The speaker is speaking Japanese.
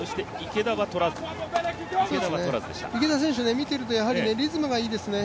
池田選手見ているとリズムがやはりいいですね。